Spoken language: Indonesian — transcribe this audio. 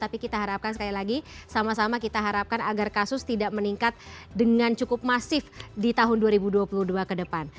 tapi kita harapkan sekali lagi sama sama kita harapkan agar kasus tidak meningkat dengan cukup masif di tahun dua ribu dua puluh dua ke depan